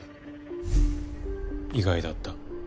意外だった。